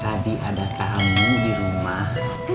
tadi ada tamu dirumah